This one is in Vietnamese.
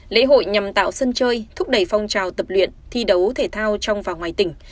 lễ hội nhằm tạo sân chơi thúc đẩy phong trào tập luyện thi đấu thể thao trong và ngoài tỉnh